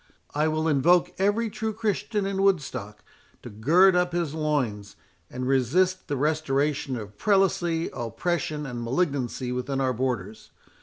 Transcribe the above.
I will invoke every true Christian in Woodstock to gird up his loins, and resist the restoration of prelacy, oppression, and malignancy within our borders.